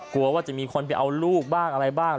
กลัวว่าจะมีคนไปเอาลูกบ้างอะไรบ้าง